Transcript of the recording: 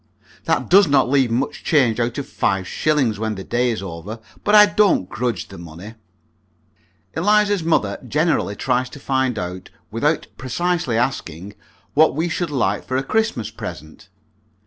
That does not leave much change out of five shillings when the day is over, but I don't grudge the money. Eliza's mother generally tries to find out, without precisely asking, what we should like for a Christmas present.